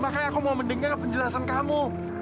makanya aku mau mendengar penjelasan kamu